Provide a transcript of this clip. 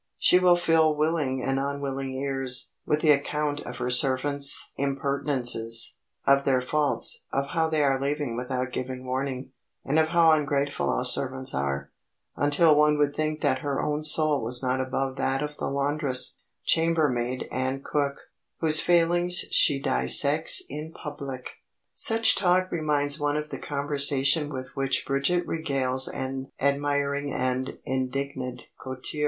She will fill willing and unwilling ears with the account of her servants' impertinences, of their faults, of how they are leaving without giving warning, and of how ungrateful all servants are, until one would think that her own soul was not above that of the laundress, chambermaid and cook, whose failings she dissects in public. Such talk reminds one of the conversation with which Bridget regales an admiring and indignant coterie.